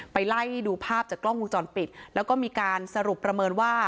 ไปไล่ดูภาพจากกล้องวงจรปิดแล้วก็มีการสรุปประเมินว่า